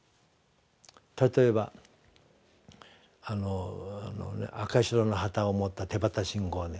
例えば赤白の旗を持った手旗信号